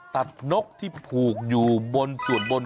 ตัดนกที่ผูกอยู่บนส่วน